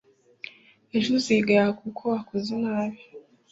ejo uzigaya kuko wakoze nabi